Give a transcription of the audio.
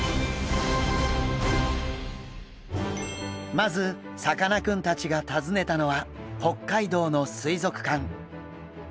まずさかなクンたちが訪ねたのは北海道の水族館。